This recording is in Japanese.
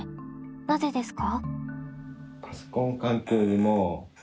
なぜですか？